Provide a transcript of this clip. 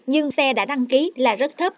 nhưng xe đã đăng ký là rất thấp